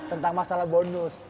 tentang masalah bonus